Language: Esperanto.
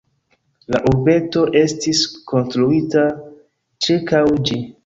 La urbeto estis konstruita ĉirkaŭ ĝi.